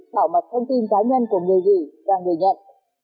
bảo mật thông tin cá nhân của người gửi và người nhận